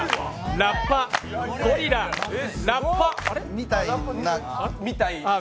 ラッパ、ゴリラ、ラッパ。